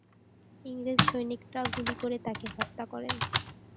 ইংরেজ সৈনিকরা গুলি করে তাঁকে হত্যা করেন।